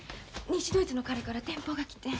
西ドイツの彼から電報が来てん。